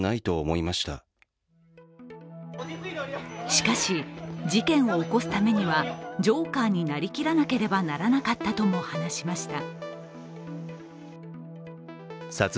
しかし、事件を起こすためにはジョーカーになりきらなければならなかったとも話しました。